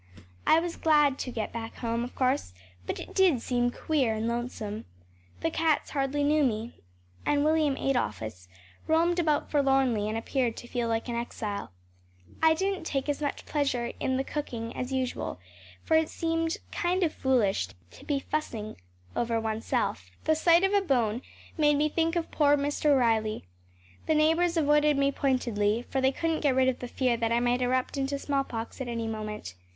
I was glad to get back home, of course; but it did seem queer and lonesome. The cats hardly knew me, and William Adolphus roamed about forlornly and appeared to feel like an exile. I didn’t take as much pleasure in cooking as usual, for it seemed kind of foolish to be fussing over oneself. The sight of a bone made me think of poor Mr. Riley. The neighbours avoided me pointedly, for they couldn’t get rid of the fear that I might erupt into smallpox at any moment.